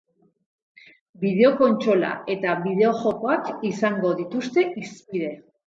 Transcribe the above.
Bideokontsola eta bideojokoak izango dituzte hizpide.